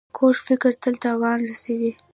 کوږ فکر تل تاوان رسوي